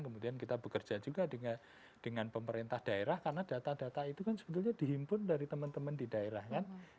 kemudian kita bekerja juga dengan pemerintah daerah karena data data itu kan sebetulnya dihimpun dari teman teman di daerah kan